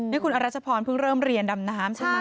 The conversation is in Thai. นี่คุณอรัชพรเพิ่งเริ่มเรียนดำน้ำใช่ไหม